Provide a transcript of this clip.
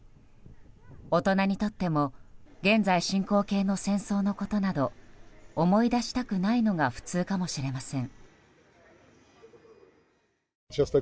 大人にとっても現在進行形の戦争のことなど思い出したくないのが普通かもしれません。